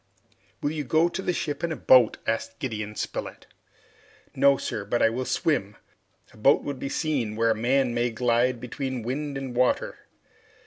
"Will you go to the ship in the boat?" asked Gideon Spilett. "No, sir, but I will swim. A boat would be seen where a man may glide between wind and water."